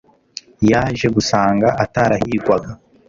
yaje gusanga atarahigwaga